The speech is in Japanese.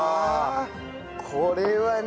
これはね